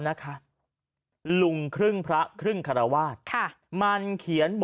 เออมันเป็นประเด็นร้อนแรง